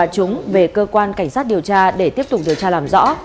chúng về cơ quan cảnh sát điều tra để tiếp tục điều tra làm rõ